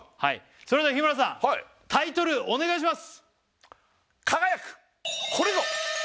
それでは日村さんタイトルお願いします